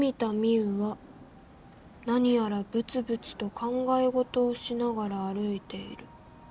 生は何やらブツブツと考え事をしながら歩いている。